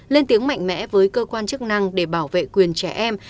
lên tiếng mạnh mẽ với cơ quan chức năng để bảo vệ quyền trẻ em